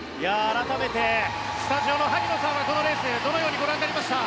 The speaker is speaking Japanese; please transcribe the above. スタジオの萩野さんはこのレース、どのようにご覧になりました？